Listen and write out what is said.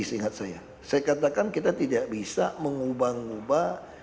saya katakan kita tidak bisa mengubah ubah